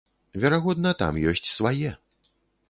Верагодна, там ёсць свае.